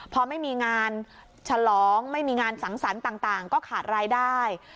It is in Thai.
พอไม่มีงานฉลองไม่มีงานสังสรรค์ต่างก็ขาดรายได้